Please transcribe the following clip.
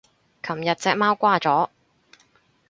琴日隻貓掛咗